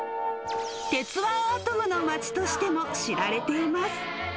鉄腕アトムの街としても知られています。